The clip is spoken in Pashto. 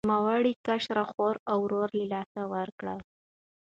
نوموړي کشره خور او ورور له لاسه ورکړل.